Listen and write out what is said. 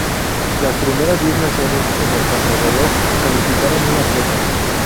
Las primeras diez naciones en el contrarreloj calificaron un atleta.